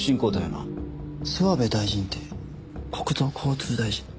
諏訪部大臣って国土交通大臣の？